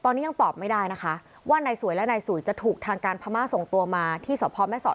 นะคะว่านายสวยและนายสุยจะถูกทางการพม่าส่งตัวมาที่ส่อพบแม่สด